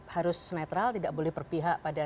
harus netral tidak boleh berpihak pada